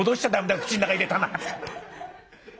口の中入れたのは！」。